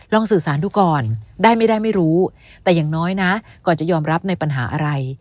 สื่อสารดูก่อนได้ไม่ได้ไม่รู้แต่อย่างน้อยนะก่อนจะยอมรับในปัญหาอะไร